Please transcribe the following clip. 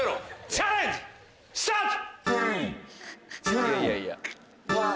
チャレンジスタート！